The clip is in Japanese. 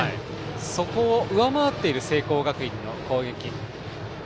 そこを上回っている聖光学院の攻撃です。